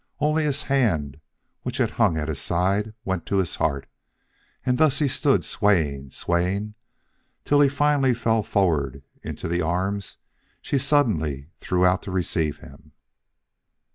Only his hand which had hung at his side went to his heart; and thus he stood swaying swaying, till he finally fell forward into the arms she suddenly threw out to receive him.